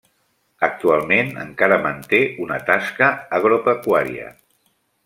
Actualment encara manté una tasca agropecuària.